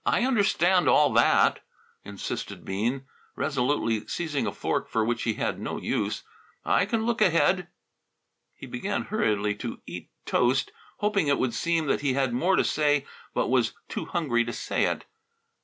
"I understand all that," insisted Bean, resolutely seizing a fork for which he had no use. "I can look ahead!" He began hurriedly to eat toast, hoping it would seem that he had more to say but was too hungry to say it.